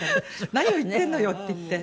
「何を言ってるのよ！」って言って。